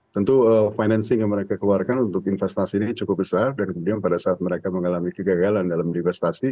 tentu financing yang mereka keluarkan untuk investasinya cukup besar dan kemudian pada saat mereka mengalami kegagalan dalam divestasi